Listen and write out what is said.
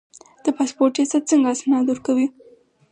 د پاسپورت ریاست څنګه اسناد ورکوي؟